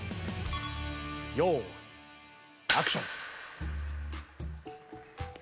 用意アクション。